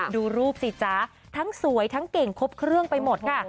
ดูรูปสิจ๊ะทั้งสวยทั้งเก่งครบเครื่องไปหมดค่ะ